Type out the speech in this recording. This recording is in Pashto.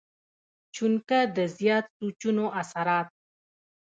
چونکه د زيات سوچونو اثرات